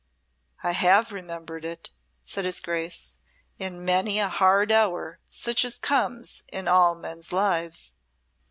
"I have remembered it," said his Grace, "in many a hard hour such as comes in all men's lives."